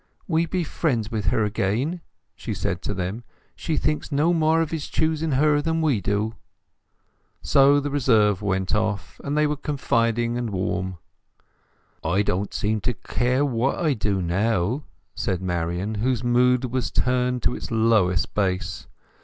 "We be friends with her again," she said to them. "She thinks no more of his choosing her than we do." So the reserve went off, and they were confiding and warm. "I don't seem to care what I do now," said Marian, whose mood was turned to its lowest bass.